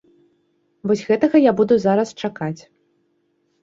Вось гэтага я буду зараз чакаць.